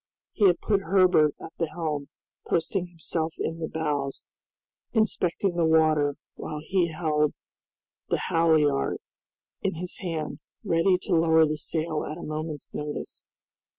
He had put Herbert at the helm, posting himself in the bows, inspecting the water, while he held the halliard in his hand, ready to lower the sail at a moment's notice.